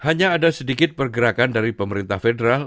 hanya ada sedikit pergerakan dari pemerintah federal